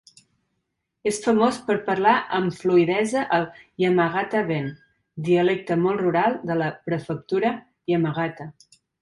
És famós per parlar amb fluïdesa el Yamagata-ben, dialecte molt rural de la Prefectura Yamagata.